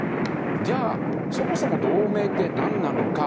じゃあ、そもそも同盟って何なのか。